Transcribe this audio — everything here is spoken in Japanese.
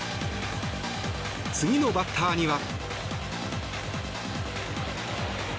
次のバッターには。